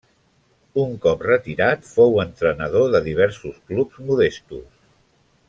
Un cop retirat fou entrenador de diversos clubs modestos.